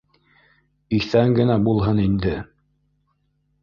Иҫән генә булһын инде